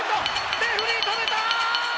レフェリー、止めた！